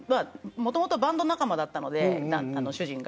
もともと、バンド仲間だったので主人が。